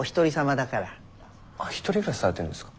１人暮らしされてるんですか？